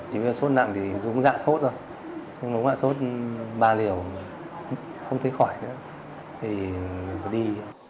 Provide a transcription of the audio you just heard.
chỉ biết là sốt nặng thì dùng dạ sốt thôi nhưng mà sốt ba liều không thấy khỏi nữa thì đi